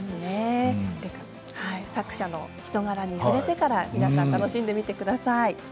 作者の人柄に触れてから皆さん楽しんで見てください。